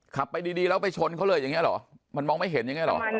ขับไปดีแล้วไปชนเขาเลยอย่างนี้เหรอมันมองไม่เห็นอย่างนี้หรอ